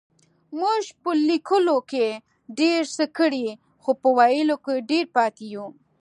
مونږ په لکيلو کې ډير څه کړي خو په ويلو کې ډير پاتې يو.